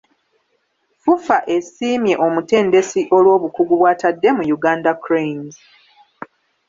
"FUFA" esiimye omutendesi olw’obukugu bw’atadde mu "Uganda Cranes".